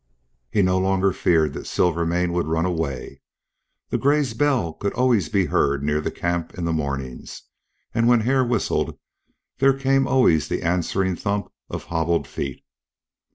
He no longer feared that Silvermane would run away. The gray's bell could always be heard near camp in the mornings, and when Hare whistled there came always the answering thump of hobbled feet.